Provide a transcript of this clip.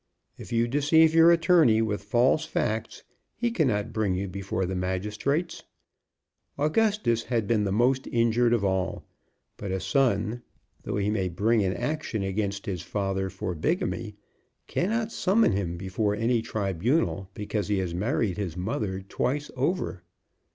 If you deceive your attorney with false facts he cannot bring you before the magistrates. Augustus had been the most injured of all; but a son, though he may bring an action against his father for bigamy, cannot summon him before any tribunal because he has married his mother twice over.